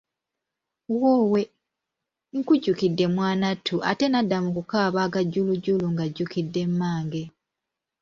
Woowe, nkujjukidde mwanattu ate n'adda mu kukaaba aga jjulujjulu ng'ajjukidde mmange.